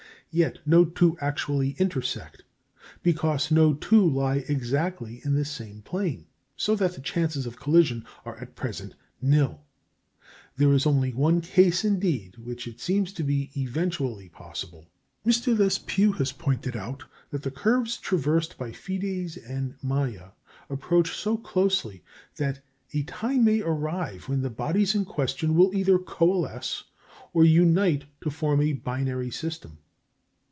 Yet no two actually intersect, because no two lie exactly in the same plane, so that the chances of collision are at present nil. There is only one case, indeed, in which it seems to be eventually possible. M. Lespiault has pointed out that the curves traversed by "Fidés" and "Maïa" approach so closely that a time may arrive when the bodies in question will either coalesce or unite to form a binary system.